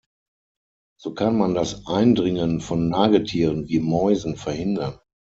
So kann man das Eindringen von Nagetieren wie Mäusen verhindern.